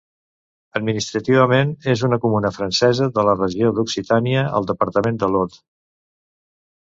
Administrativament, és una comuna francesa de la regió d'Occitània, al departament de l'Aude.